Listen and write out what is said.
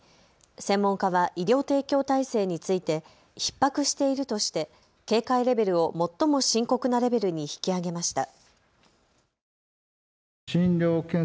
専門家は医療提供体制についてひっ迫しているとして警戒レベルを最も深刻なレベルに引き上げました。